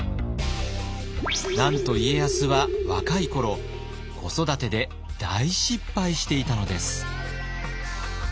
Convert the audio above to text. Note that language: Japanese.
なんと家康は若い頃子育てで大失敗していたのです。